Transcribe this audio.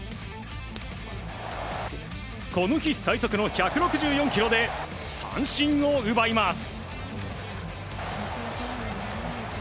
この日最速の１６４キロで三振を奪います。